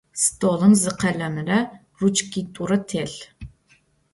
Stolım zı khelemre ruçkit'ure têlh.